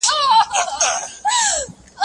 کار د ډلې له خوا ترسره کيږي؟